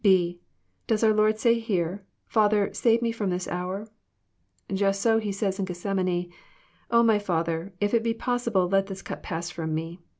(5) Does our Lord say here, '* Father, save Me f^om this iiour "? Just so he says in Gethsemane, O my Father, if it be possible, let this cup pass from Me."